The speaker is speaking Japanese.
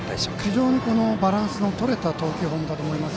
非常にバランスの取れたフォームだと思います。